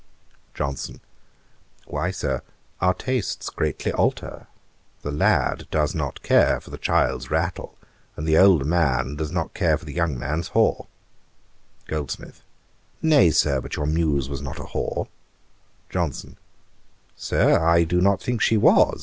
JOHNSON. 'Why, Sir, our tastes greatly alter. The lad does not care for the child's rattle, and the old man does not care for the young man's whore.' GOLDSMITH. 'Nay, Sir, but your Muse was not a whore.' JOHNSON. 'Sir, I do not think she was.